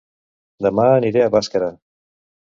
Dema aniré a Bàscara